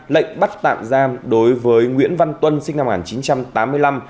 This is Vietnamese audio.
lệnh bắt tạm giam đối với nguyễn văn tuân sinh năm một nghìn chín trăm tám mươi năm